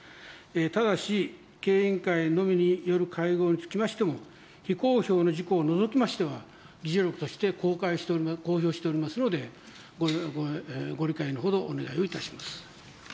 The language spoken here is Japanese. ただし、経営委員会のみによる会合につきましても、非公表の事項を除きましては、議事録として公開して、公表しておりますので、ご理解のほど、お願いをいたします。